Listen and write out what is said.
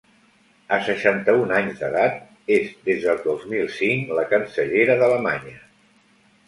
A seixanta-un anys d’edat, és des del dos mil cinc la cancellera d’Alemanya.